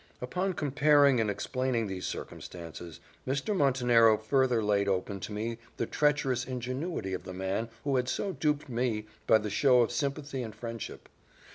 Upon comparing and explaining these circumstances, Mr. Montenero further laid open to me the treacherous ingenuity of the man who had so duped me by the show of sympathy and friendship.